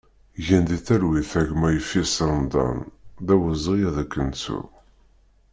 Gen di talwit a gma Ifis Remḍan, d awezɣi ad k-nettu!